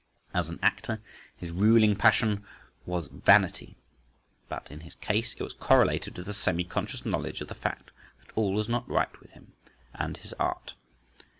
As an actor his ruling passion was vanity, but in his case it was correlated with a semi conscious knowledge of the fact that all was not right with him and his art.